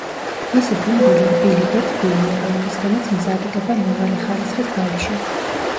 მისი ბუმბული რბილი და თბილია, რომლისგანაც მზადდება მაღალი ხარისხის ბალიშები.